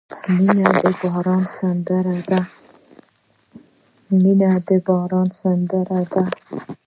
• مینه د باران سندره ده.